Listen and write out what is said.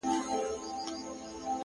يو ما و تا!